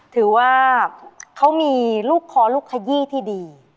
ถือว่าเขามีลูกคอลูกขยี้ที่ดี